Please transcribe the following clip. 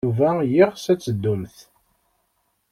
Yuba yeɣs ad teddumt.